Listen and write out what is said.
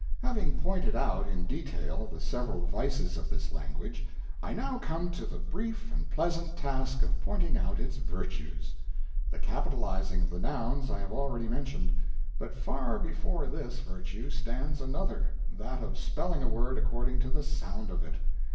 Having pointed out, in detail, the several vices of this language, I now come to the brief and pleasant task of pointing out its virtues. The capitalizing of the nouns I have already mentioned. But far before this virtue stands another that of spelling a word according to the sound of it.